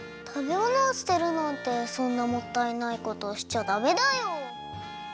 たべものを捨てるなんてそんなもったいないことしちゃダメだよ。